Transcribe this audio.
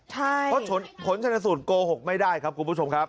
เพราะผลชนสูตรโกหกไม่ได้ครับคุณผู้ชมครับ